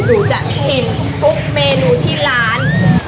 ดูจัดชิ้นทุกเมนูที่ร้าน